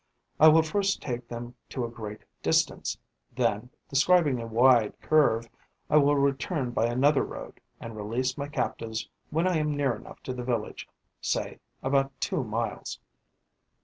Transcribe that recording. I will first take them to a great distance; then, describing a wide curve, I will return by another road and release my captives when I am near enough to the village, say, about two miles.